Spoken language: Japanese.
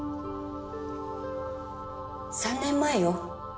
３年前よ。